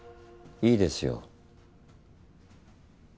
いいですよ。